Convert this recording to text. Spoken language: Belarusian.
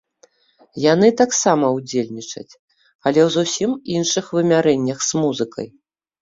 Яны таксама ўдзельнічаць, але ў зусім іншых вымярэннях з музыкай.